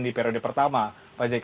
di periode pertama pak jk